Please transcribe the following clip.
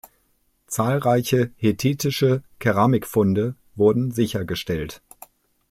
Zahlreiche hethitische Keramikfunde wurden sichergestellt.